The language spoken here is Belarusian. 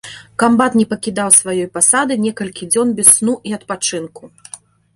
Камбат не пакідаў сваёй пасады некалькі дзён без сну і адпачынку.